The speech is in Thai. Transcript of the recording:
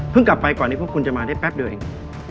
กลับไปก่อนนี้พวกคุณจะมาได้แป๊บเดียวเอง